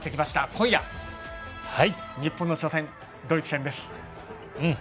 今夜、日本の初戦ドイツ戦です。